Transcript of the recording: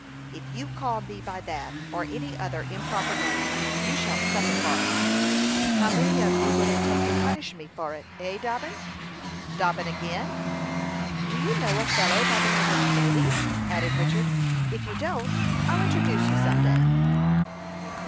"If you call me by that, or any other improper name, you shall suffer for it." "How many of you will it take to punish me for it, eh, Dobbin?" "Dobbin again?" "Do you know a fellow by the name of Kennedy?" added Richard. "If you don't, I'll introduce you some day."